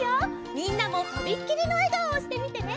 みんなもとびっきりのえがおをしてみてね！